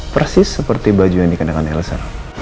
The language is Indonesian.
persis seperti baju yang dikenakan elsa